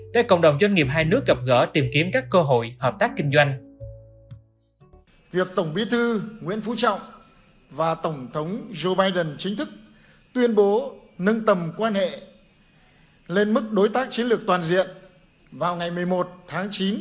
để cộng đồng doanh nghiệp hai nước gặp gỡ tìm kiếm các cơ hội hợp tác kinh doanh